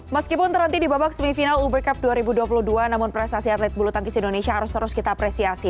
meskipun terhenti di babak semifinal uber cup dua ribu dua puluh dua namun prestasi atlet bulu tangkis indonesia harus terus kita apresiasi